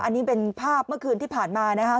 อันนี้เป็นภาพเมื่อคืนที่ผ่านมานะครับ